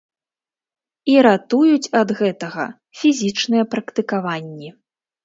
І ратуюць ад гэтага фізічныя практыкаванні.